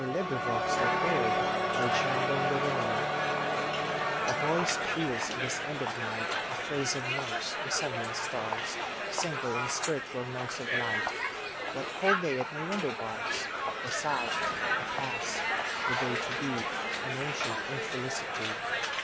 Alice Meynell1847–1922 A Thrush before Dawn A VOICE peals in this end of nightA phrase of notes resembling stars, Single and spiritual notes of light. What call they at my window bars? The South, the past, the day to be, An ancient infelicity.